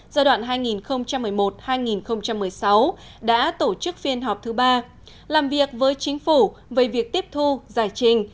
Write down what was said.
giai đoạn hai nghìn một mươi một hai nghìn một mươi sáu đã tổ chức phiên họp thứ ba làm việc với chính phủ về việc tiếp thu giải trình